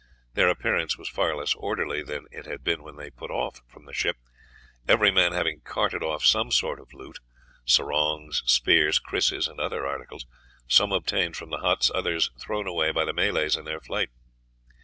Their appearance was far less orderly than it had been when they put off from the ship, every man having carted off some sort of loot sarongs, spears, krises, and other articles, some obtained from the huts, others thrown away by the Malays in their flight.